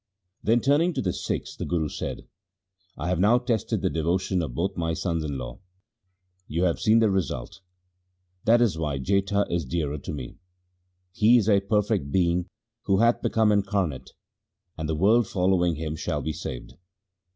Then turning to the Sikhs the Guru said, ' I have now tested the devotion of both my sons in law. You have seen the result ; that is why Jetha is dearer to me. He is a perfect being who hath become incarnate, and the world following him shall be saved